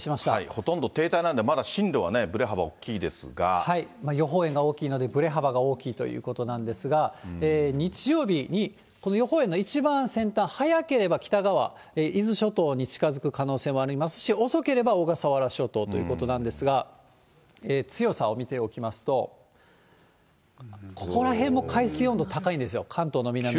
ほとんど停滞なんで、まだ進路はね、予報円が大きいので、ぶれ幅が大きいということなんですが、日曜日に、この予報円の一番先端、早ければ北側、伊豆諸島に近づく可能性もありますし、遅ければ小笠原諸島ということなんですが、強さを見ておきますと、ここら辺も海水温度高いんですよ、関東の南も。